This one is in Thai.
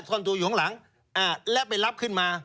ซ่อนตัวอยู่ข้างหลังและไปรับขึ้นมา